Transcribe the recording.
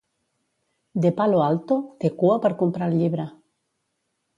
De Palo Alto té cua per comprar el llibre.